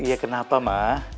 iya kenapa ma